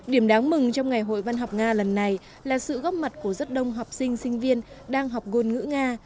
điểm đáng mừng trong ngày hội văn học nga lần này là sự góp mặt của rất đông học sinh sinh viên đang học ngôn ngữ nga